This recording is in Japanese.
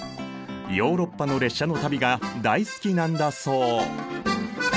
ヨーロッパの列車の旅が大好きなんだそう。